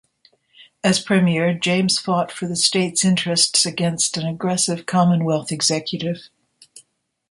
As premier, James fought for the state's interests against an aggressive Commonwealth executive.